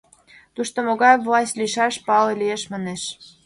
Тушто могай власть лийшаш, пале лиеш, манеш.